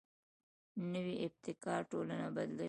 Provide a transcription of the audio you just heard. نوی ابتکار ټولنه بدلوي